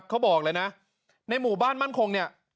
เขาบอกเลยนะในหมู่บ้านมั่นคงเนี่ย